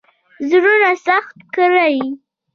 زړونه سخت کړي.